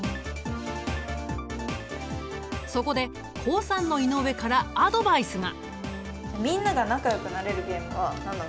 そこで高３の井上からアドバイスが。